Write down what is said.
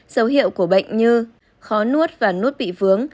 dấu hiệu của bệnh như khó nuốt và nuốt bị vướng